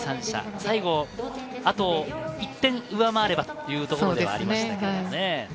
最後、あと１点上回ればというところではありましたけどね。